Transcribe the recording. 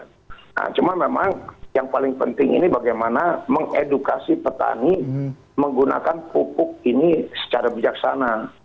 nah cuma memang yang paling penting ini bagaimana mengedukasi petani menggunakan pupuk ini secara bijaksana